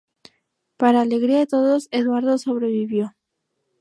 Para alegría de todos, Eduardo sobrevivió.